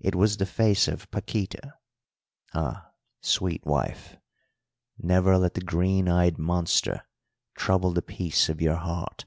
It was the face of Paquíta. Ah, sweet wife, never let the green eyed monster trouble the peace of your heart!